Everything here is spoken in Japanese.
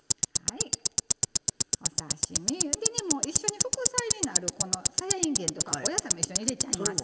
お刺身でねもう一緒に副菜になるさやいんげんとかお野菜も一緒に入れちゃいます。